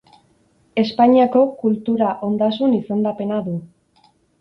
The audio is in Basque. Espainiako Kultura ondasun izendapena du.